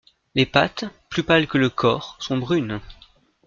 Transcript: Les pattes, plus pâles que le corps, sont brunes.